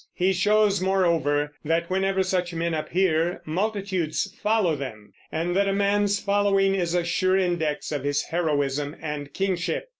He shows, moreover, that whenever such men appear, multitudes follow them, and that a man's following is a sure index of his heroism and kingship.